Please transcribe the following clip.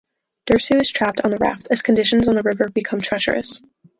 Dersu is trapped on the raft as conditions on the river become treacherous.